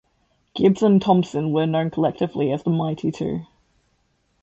Gibbs and Thompson were known collectively as the Mighty Two.